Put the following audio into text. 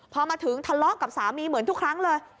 พอมาถึงทะเลาะกับสามีเหมือนทุกครั้งเลย